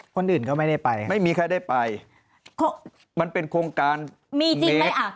คนอื่นก็ไม่ได้ไปไม่มีใครได้ไปมันเป็นโครงการมีจริงไหมอ่ะ